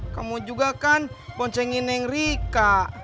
kamu juga kan poncengin neng rika